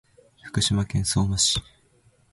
福島県相馬市